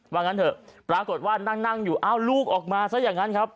งั้นเถอะปรากฏว่านั่งนั่งอยู่อ้าวลูกออกมาซะอย่างนั้นครับ